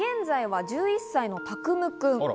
現在は１１歳の隆夢くん。